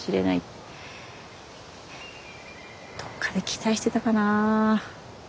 どっかで期待してたかな。